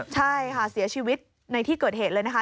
ใช่ค่ะเสียชีวิตในที่เกิดเหตุเลยนะคะ